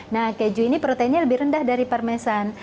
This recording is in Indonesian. nah keju ini proteinnya lebih rendah dari parmesan